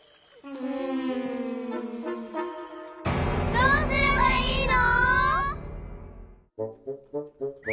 どうすればいいの！？